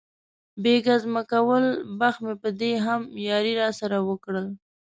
یې ګزمه کول، بخت مې په دې هم یاري را سره وکړل.